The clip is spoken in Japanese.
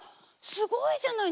すごいじゃない。